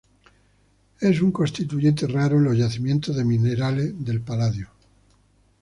Es un constituyente raro en los yacimientos de minerales del paladio.